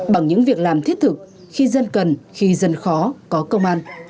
bằng những việc làm thiết thực khi dân cần khi dân khó có công an